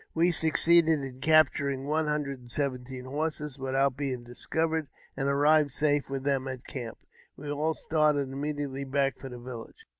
We succeeded in capturing one hundred and seventeen horses without being discovered, and arrived safe with them at the camp. We all started immediately back for the village.